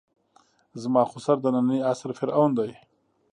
زما خُسر د نني عصر فرعون ده.